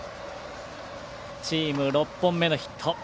チーム６本目のヒット。